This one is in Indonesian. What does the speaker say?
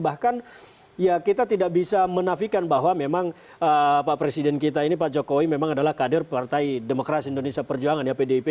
bahkan ya kita tidak bisa menafikan bahwa memang pak presiden kita ini pak jokowi memang adalah kader partai demokrasi indonesia perjuangan ya pdip